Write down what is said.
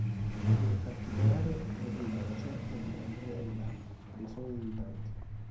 Viene in particolare attribuita alla cerchia di Andrea di Lack o dei suoi aiutanti.